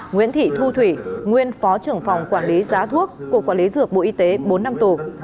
nguyễn thị thu thủy nguyên phó trưởng phòng quản lý giá thuốc cục quản lý dược bộ y tế bốn năm tù